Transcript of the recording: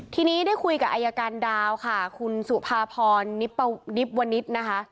ทีนี้ได้คุยกับอายการดาวค่ะคุณสุภาพรนิบวนิษฐ์นะคะ